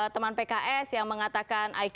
teman pks yang mengatakan